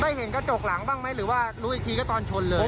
เห็นกระจกหลังบ้างไหมหรือว่ารู้อีกทีก็ตอนชนเลย